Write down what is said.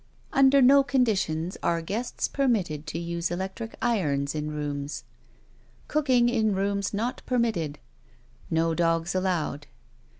Under no conditions axe guests permitted to use dectfie irons in rooms. Cooking in rooms not permitted. No dogs allowed.